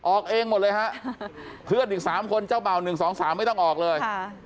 ออกเองหมดเลยฮะเพื่อนอีก๓คนเจ้าเบ่า๑๒๓ไม่ต้องออกเลย